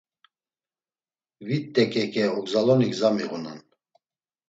Vit t̆eǩeǩe ogzaloni gza miğunan.